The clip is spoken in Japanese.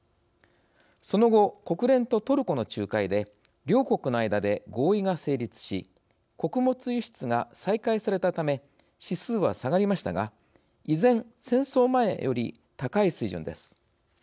その後、国連とトルコの仲介で両国の間で合意が成立し穀物輸出が再開されたため指数は下がりましたが依然、戦争前より高い水準です。